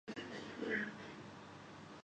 جو امریکہ کہتاتھا وہی ٹھیک ٹھہرتا۔